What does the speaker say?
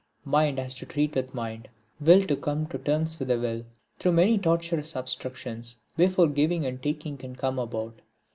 Mind has to treat with mind, will to come to terms with will, through many tortuous obstructions, before giving and taking can come about.